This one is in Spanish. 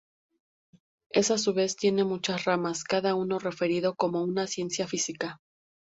Es a su vez tiene muchas ramas, cada uno referido como una "ciencia física".